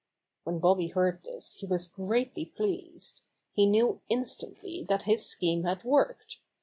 When Bobby heard this he was greatly pleased. He knew instantly that his scheme had worked.